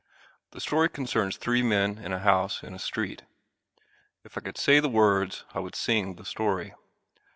The story concerns three men in a house in a street. If I could say the words I would sing the story.